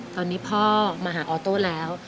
ตอนนี้พ่อมาหาออโต้แล้ว